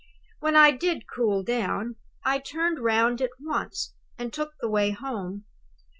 When I did cool down, I turned round at once, and took the way home.